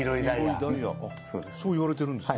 そう言われてるんですか。